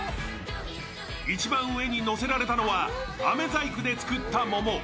一番上にのせられたのはあめ細工で作った桃。